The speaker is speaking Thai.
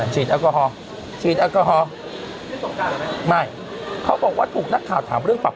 ฉีดแอลคอลฉีดแอลคอลไม่เขาก็ว่าถูกนักข่าวถามเรื่องปาก